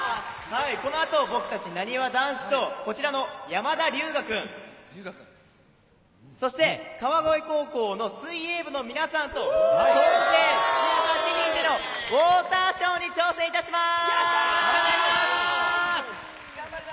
このあと僕たち、なにわ男子と、こちらの山田龍芽くん、そして川越高校の水泳部の皆さん総勢１８人でのウオーターショーに挑戦します。